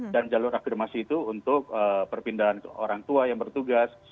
dan jalur afirmasi itu untuk perpindahan orang tua yang bertugas